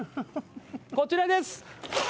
こちらです！